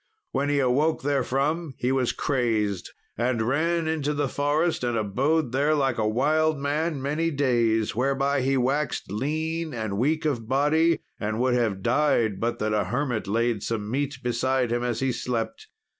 When he awoke therefrom he was crazed, and ran into the forest and abode there like a wild man many days; whereby he waxed lean and weak of body, and would have died, but that a hermit laid some meat beside him as he slept.